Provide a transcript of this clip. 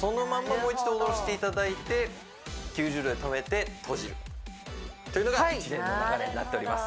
もう一度下ろしていただいて９０度で止めて閉じるというのが一連の流れになっております